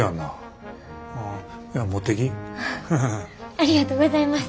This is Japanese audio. ありがとうございます！